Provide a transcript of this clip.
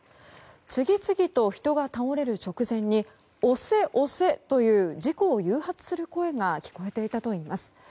次々と人が倒れる直前に押せ、押せという事故を誘発する声が聞こえていたといいます。